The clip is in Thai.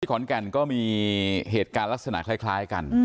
ขอนแก่นก็มีเหตุการณ์ลักษณะคล้ายกัน